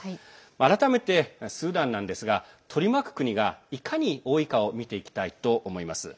改めてスーダンなんですが取り巻く国がいかに多いかを見ていきたいと思います。